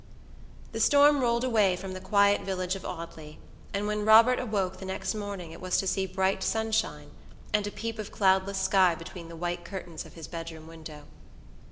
The storm rolled away from the quiet village of Audley, and when Robert awoke the next morning it was to see bright sunshine, and a peep of cloudless sky between the white curtains of his bedroom window.